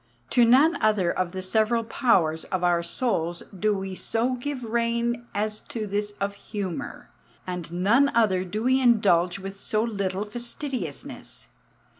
To none other of the several powers of our souls do we so give rein as to this of humour, and none other do we indulge with so little fastidiousness.